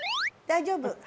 大丈夫？